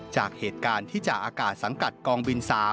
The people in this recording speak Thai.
จากเหตุการณ์ที่จ่าอากาศสังกัดกองบิน๓